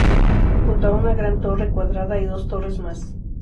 Junto a una gran torre cuadrada hay dos torres más.